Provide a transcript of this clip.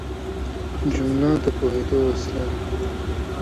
جمله د پوهېدو وسیله ده.